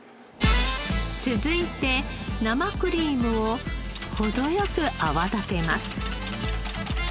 続いて生クリームを程良く泡立てます。